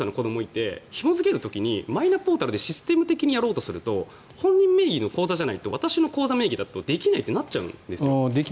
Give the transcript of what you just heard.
というのは自分０歳と２歳の子どもがいてマイナポータルでシステム的にやろうとすると本人名義の口座じゃないと私の口座だとできないってなっちゃうんです。